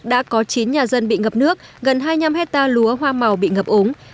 đã có chín nhà dân bị ngập nước gần hai mươi năm hectare lúa hoa màu bị ngập ống